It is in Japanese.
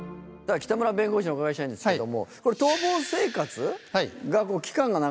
北村弁護士にお伺いしたいんですけども。